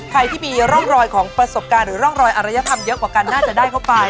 ใครที่มีร่องรอยของประสบการณ์หรือร่องรอยอารยธรรมเยอะกว่ากันน่าจะได้เข้าไป